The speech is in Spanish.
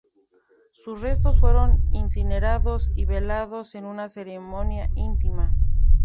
Sus restos fueron incinerados y velados en una ceremonia íntima.